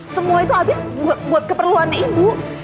semua itu habis buat keperluannya ibu